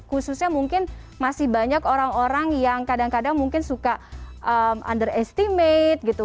khususnya mungkin masih banyak orang orang yang kadang kadang mungkin suka under estimate gitu